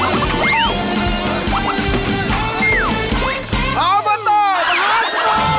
ออบตมหาสนุก